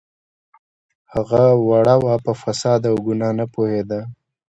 هغه وړه وه په فساد او ګناه نه پوهیده